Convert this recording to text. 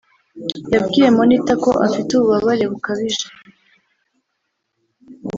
yabwiye Monitor ko afite ububabare bukabije